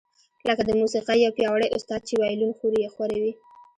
لکه د موسیقۍ یو پیاوړی استاد چې وایلون ښوروي